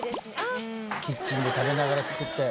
キッチンで食べながら作って。